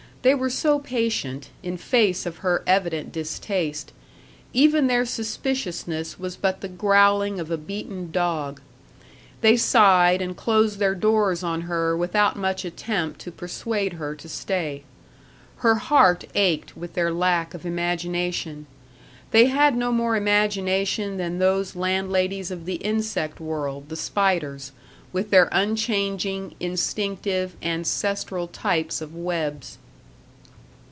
They were so patient, in face of her evident distaste. Even their suspiciousness was but the growling of a beaten dog. They sighed and closed their doors on her without much attempt to persuade her to stay. Her heart ached with their lack of imagination. They had no more imagination than those landladies of the insect world, the spiders, with their unchanging, instinctive, ancestral types of webs.